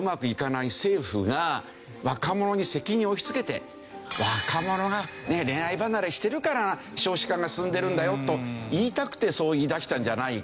若者に責任を押しつけて若者が恋愛離れしてるから少子化が進んでるんだよと言いたくてそう言い出したんじゃないかと。